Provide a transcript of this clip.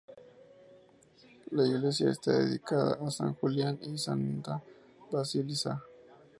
La iglesia está dedicada a san Julián y santa Basilisa.